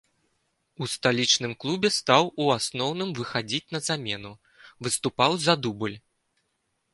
У сталічным клубе стаў у асноўным выхадзіць на замену, выступаў за дубль.